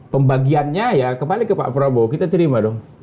pembagiannya ya kembali ke pak prabowo kita terima dong